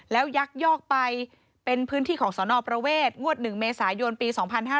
แล้วยักยอกไปเป็นพื้นที่ของสนประเวทงวด๑เมษายนปี๒๕๕๙